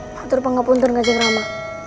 tentu pengapuntur ngajang rama